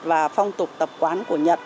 và phong tục tập quán của nhật